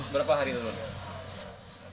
berapa hari turun